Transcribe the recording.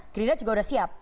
gerindra juga sudah siap